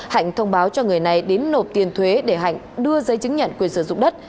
hạnh thông báo cho người này đến nộp tiền thuế để hạnh đưa giấy chứng nhận quyền sử dụng đất